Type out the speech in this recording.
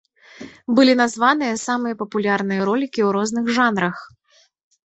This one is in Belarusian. Былі названыя самыя папулярныя ролікі ў розных жанрах.